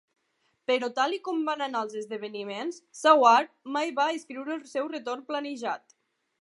Però tal i com van anar els esdeveniments, Saward mai va escriure el seu retorn planejat.